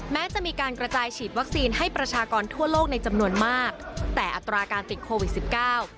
แม้จะมีการกระจายฉีดวัคซีนให้ประชากรทั่วโลกในจำนวนมากแต่อัตราการติดโควิดสิบเก้า